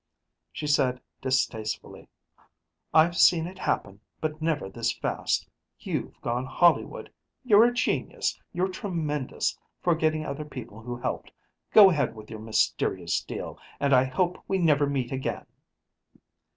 She said, distastefully, "I've seen it happen, but never this fast. You've gone Hollywood, you're a genius, you're tremendous forgetting other people who helped. Go ahead with your mysterious deal and I hope we never meet again."